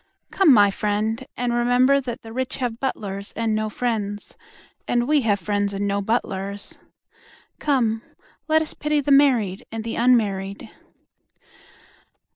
Come, my friend, and rememberthat the rich have butlers and no friends, And we have friends and no butlers. Come let us pity the married and the unmarried.